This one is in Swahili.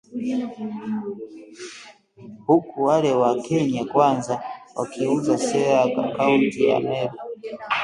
Huku wale wa Kenya Kwanza Wakiuza Sera Kaunti ya Meru